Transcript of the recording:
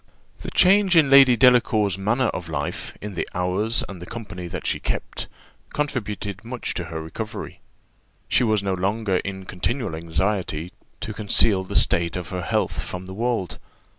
The change in Lady Delacour's manner of life, in the hours and the company that she kept, contributed much to her recovery. She was no longer in continual anxiety to conceal the state of her health from the world.